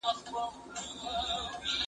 زه هره ورځ ليک لولم؟!